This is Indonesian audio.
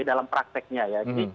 dalam prakteknya ya jadi